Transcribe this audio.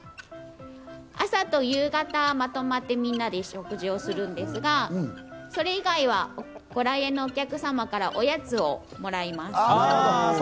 朝と夕方、まとまってみんなで食事をするんですが、それ以外はご来園のお客様からおやつをもらいますね。